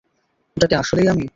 ওটা কি আসলেই আমি?